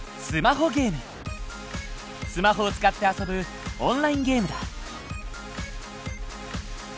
スマホを使って遊ぶオンラインゲームだ。